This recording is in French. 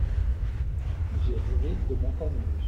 J’ai rêvé de montagnes russes.